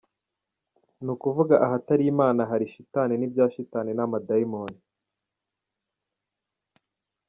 Ni ukuvuga ahatari Imana hari shitani n’ibya shitani n’amadayimoni.